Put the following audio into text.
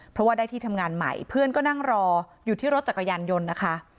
เพราะว่าได้ที่ทำงานใหม่เพื่อนก็นั่งรออยู่ที่รถจักรยานยนต์นะคะ